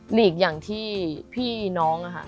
หลีกอย่างที่พี่น้องค่ะ